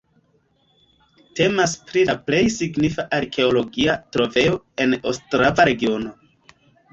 Temas pri la plej signifa arkeologia trovejo en Ostrava-regiono.